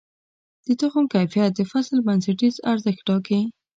د تخم کیفیت د فصل بنسټیز ارزښت ټاکي.